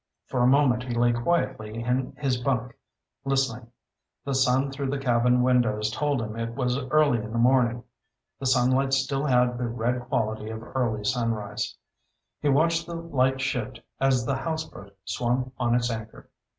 For a moment he lay quietly in his bunk, listening. The sun through the cabin windows told him it was early in the morning. The sunlight still had the red quality of early sunrise. He watched the light shift as the houseboat swung on its anchor.